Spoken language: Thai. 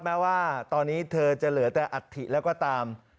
แม้ว่าตอนนี้เธอจะเหลือแต่อัฐิแล้วก็ตาม